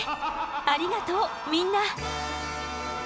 ありがとうみんな。